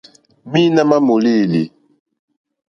Mǐīnā má mòlêlì.